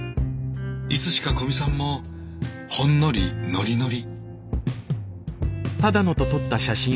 いつしか古見さんもほんのりノリノリ。